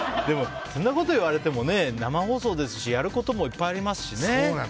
でもそんなこと言われても生放送ですしやることもいっぱいありますしね。